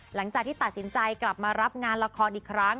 หลังจากที่ตัดสินใจกลับมารับงานละครอีกครั้ง